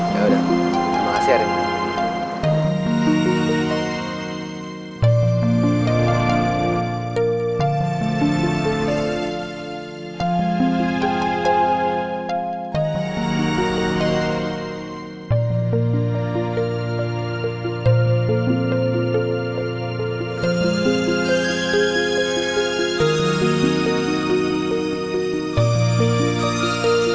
yaudah makasih ari